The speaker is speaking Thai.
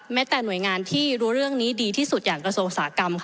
แต่หน่วยงานที่รู้เรื่องนี้ดีที่สุดอย่างกระทรวงอุตสาหกรรม